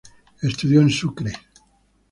Estudió en Sucre.